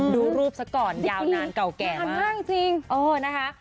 ดูรูปสักก่อนยาวนานเก่าแก่มาก